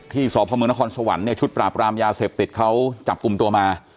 สพมนครสวรรค์เนี่ยชุดปราบรามยาเสพติดเขาจับกลุ่มตัวมา